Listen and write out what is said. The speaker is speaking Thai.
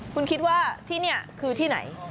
คุณคิดว่าที่นี่คือที่ไหน